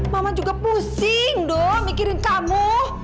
mama juga pusing dong mikirin kamu